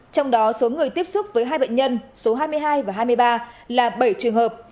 trong đó số người tiếp xúc với hai bệnh nhân số hai mươi hai và hai mươi ba là bảy trường hợp